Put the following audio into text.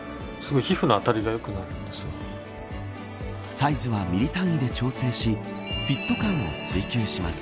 サイズはミリ単位で調整しフィット感を追求します。